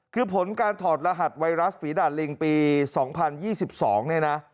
คือผลการถอดรหัสไวรัสฝีดาดลิงปี๒๐๒๒เนี่ยนะ